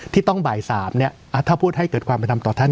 ที่ต้องบ่าย๓ถ้าพูดให้เกิดความเป็นธรรมต่อท่าน